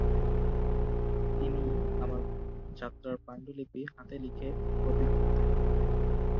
তিনিই আবার যাত্রার পাণ্ডুলিপি হাতে লিখে কপি করতেন।